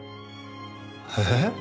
えっ？